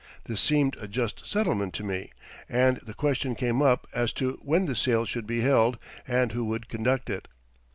This seemed a just settlement to me, and the question came up as to when the sale should be held and who would conduct it.